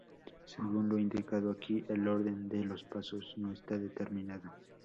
Según lo indicado aquí, el orden de los pasos no está determinado.